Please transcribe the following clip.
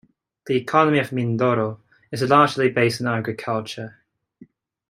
The economy of Mindoro is largely based on agriculture.